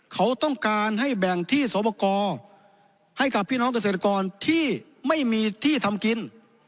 เขาต้องการให้แบ่งที่สวบกรให้กับพี่น้องเกษตรกรที่ไม่มีที่ทำกิน